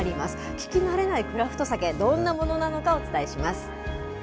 聞き慣れないクラフトサケ、どんなものなのか、お伝えします。